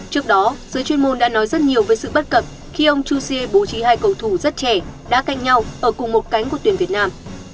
trước đó giới chuyên môn đã nói rất nhiều với sự bất cập khi ông jouzier bố trí hai cầu thủ rất trẻ đã canh nhau ở cùng một cánh của tuyển việt nam